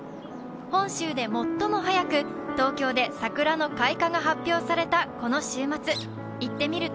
本州で最も早く、東京で桜の開花が発表されたこの週末。